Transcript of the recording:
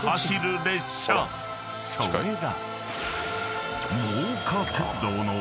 ［それが］